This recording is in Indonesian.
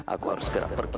aku harus sekarang pergi